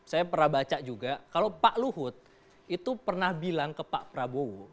saya pernah baca juga kalau pak luhut itu pernah bilang ke pak prabowo